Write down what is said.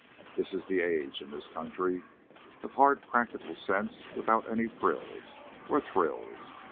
This is the age in this country of hard practical sense without any frills, or thrills.